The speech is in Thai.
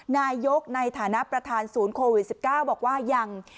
นายกในฐานะประธานศูนย์โควิด๑๙บอกว่ายัง